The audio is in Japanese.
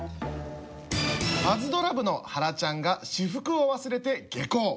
パズドラ部のはらちゃんが私服を忘れて下校。